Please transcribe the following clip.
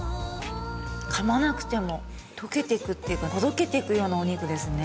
かまなくても解けていくってかほどけていくようなお肉ですね。